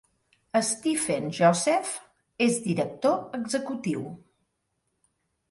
Stephen Joseph és director executiu.